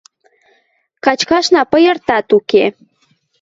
Качкашна пыйыртат уке...